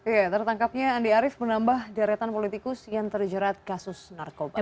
ya tertangkapnya andi arief menambah deretan politikus yang terjerat kasus narkoba